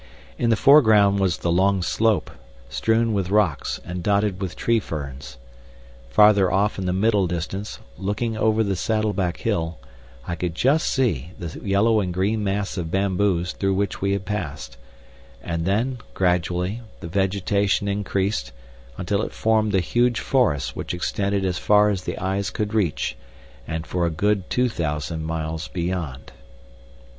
In the foreground was the long slope, strewn with rocks and dotted with tree ferns; farther off in the middle distance, looking over the saddle back hill, I could just see the yellow and green mass of bamboos through which we had passed; and then, gradually, the vegetation increased until it formed the huge forest which extended as far as the eyes could reach, and for a good two thousand miles beyond.